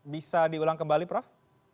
bisa diulang kembali prof